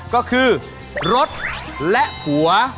ก็คือรถและหัว